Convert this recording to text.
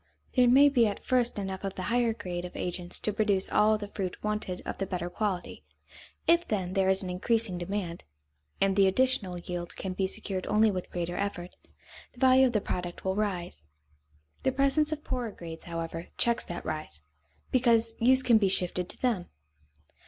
There may be at first enough of the higher grade of agents to produce all the fruit wanted of the better quality. If, then, there is an increasing demand, and the additional yield can be secured only with greater effort, the value of the product will rise. The presence of poorer grades, however, checks that rise, because use can be shifted to them.